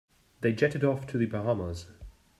They jetted off to the Bahamas.